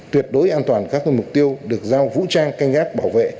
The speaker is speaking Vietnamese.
tuyệt đối an toàn các mục tiêu được giao vũ trang canh gác bảo vệ